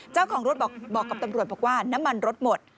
เจ้าของรถบอกกับตำรวจบอกว่าน้ำมันรถหมด